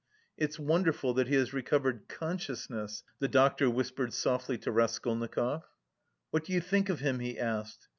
"It's wonderful that he has recovered consciousness," the doctor whispered softly to Raskolnikov. "What do you think of him?" he asked.